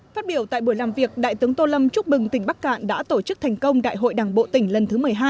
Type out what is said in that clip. phát biểu tại buổi làm việc đại tướng tô lâm chúc mừng tỉnh bắc cạn đã tổ chức thành công đại hội đảng bộ tỉnh lần thứ một mươi hai